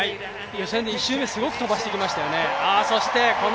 予選で１周目すごく飛ばしてきましたよね。